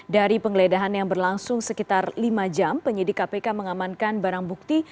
dari penggeledahan yang berlangsung sekitar lima jam penyidik kpk mengamankan barang bukti